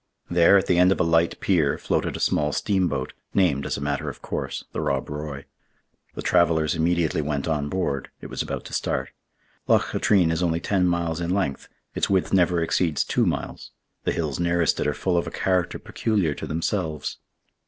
There, at the end of a light pier, floated a small steamboat, named, as a matter of course, the Rob Roy. The travelers immediately went on board; it was about to start. Loch Katrine is only ten miles in length; its width never exceeds two miles. The hills nearest it are full of a character peculiar to themselves.